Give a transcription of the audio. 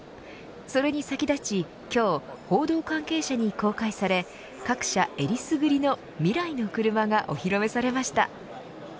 それに先立ち今日、報道関係者に公開され各社えりすぐりの未来のクルマがお披露目されました。